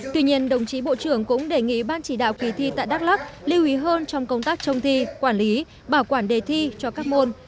tuy nhiên đồng chí bộ trưởng cũng đề nghị ban chỉ đạo kỳ thi tại đắk lắc lưu ý hơn trong công tác trông thi quản lý bảo quản đề thi cho các môn